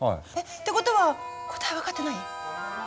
ってことは答え分かってない？